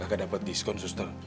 gak dapat diskon suster